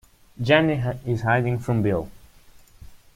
Jen is hiding from Bill.